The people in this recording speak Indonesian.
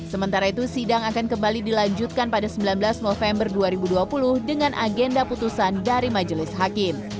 sementara itu sidang akan kembali dilanjutkan pada sembilan belas november dua ribu dua puluh dengan agenda putusan dari majelis hakim